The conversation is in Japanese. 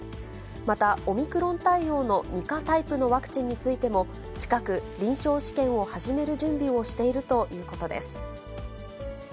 また、オミクロン対応の２価タイプのワクチンについても、近く、臨床試験を始める準備をしているということです。